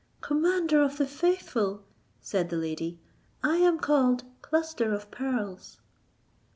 "Commander of the faithful," said the lady, "I am called Cluster of Pearls."